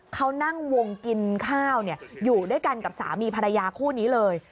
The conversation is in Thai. เขานั่งวงกินข้าวอยู่ด้วยกันกับสามีภรรยาคู่นี้เลย